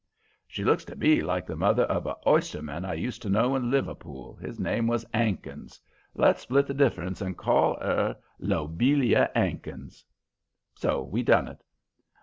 "'She looks to me like the mother of a oysterman I used to know in Liverpool. 'Is name was 'Ankins. Let's split the difference and call 'er Lobelia 'Ankins.' "So we done it.